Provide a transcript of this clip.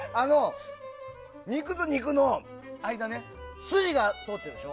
肉と肉の間ねすじが通ってるでしょ。